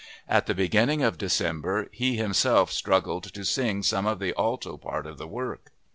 At the beginning of December he himself struggled to sing some of the alto part of the work.